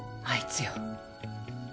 あいつよ。